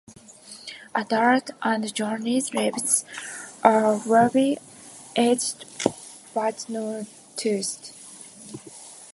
Adult and juveniles leaves are wavy edged but not toothed.